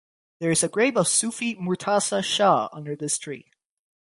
There is grave of Sufi Murtaza Shah under this tree.